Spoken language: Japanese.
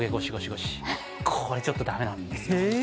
これ、ちょっと駄目なんです。